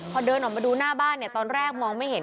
พอเดินออกมาดูหน้าบ้านเนี่ยตอนแรกมองไม่เห็น